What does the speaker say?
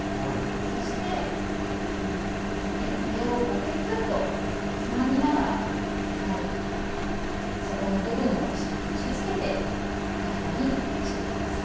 そしてこのような感じで上をキュキュっとつまみながら底の部分を下に押し付けて平らにしてください。